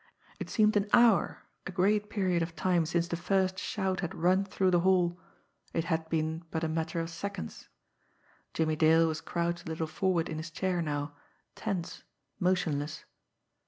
It seemed an hour, a great period of time since the first shout had rung through the hall it had been but a matter of seconds. Jimmie Dale was crouched a little forward in his chair now, tense, motionless.